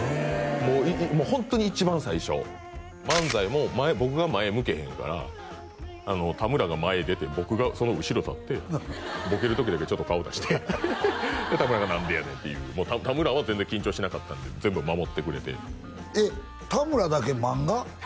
もうホントに一番最初漫才も僕が前向けへんから田村が前へ出て僕がその後ろ立ってボケる時だけちょっと顔出してで田村が何でやねんって言う田村は全然緊張しなかったんで全部守ってくれてえっ田村だけ漫画？